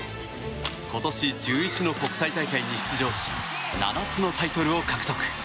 今年１１の国際大会に出場し７つのタイトルを獲得。